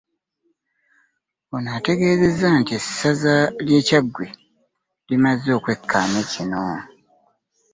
Ono ategezezza nti essaza ly'e Kyaggwe limaze okwekkaanya kino